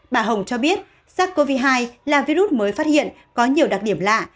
bà hồng cho biết sars cov hai là virus mới phát hiện có nhiều đặc điểm lạ